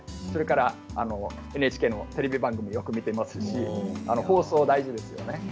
それからＮＨＫのテレビ番組よく見ていますし放送、大事ですね。